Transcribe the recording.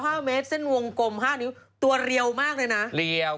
ปลาหมึกแท้เต่าทองอร่อยทั้งชนิดเส้นบดเต็มตัว